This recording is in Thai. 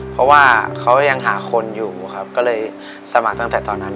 เพราะว่าเขายังหาคนอยู่ครับก็เลยสมัครตั้งแต่ตอนนั้น